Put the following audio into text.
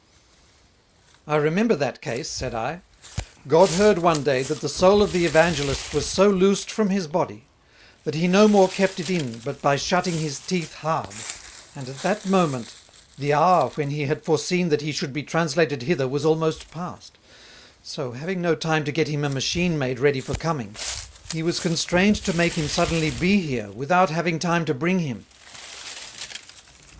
"I remember that case," said I: "God heard one day that the Soul of the Evangelist was so loosed from his Body, that he no more kept it in but by shutting his teeth hard; and at that moment the hour when he had foreseen that he should be translated hither was almost past; so having no time to get him a machine made ready for coming, He was constrained to make him suddenly be here, without having time to bring him."